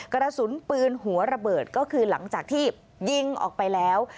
กระสุนปืนหัวระเบิดก็คือหลังจากที่ยิงออกไปแล้ว